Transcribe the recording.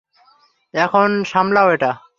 এখন সামলাও এটা।